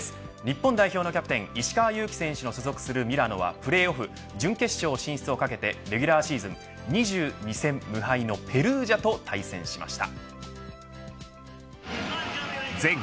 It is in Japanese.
日本代表のキャプテン石川祐希選手の所属するミラノはプレーオフ準決勝進出をかけてレギュラーシーズン２２戦無敗のベルージャと対戦しました。